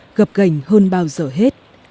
và gặp gành hơn bao giờ hết